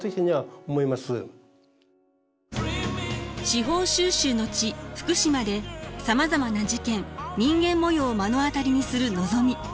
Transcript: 司法修習の地福島でさまざまな事件人間模様を目の当たりにするのぞみ。